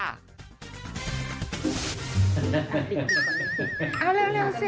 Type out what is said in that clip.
เอาเร็วสิ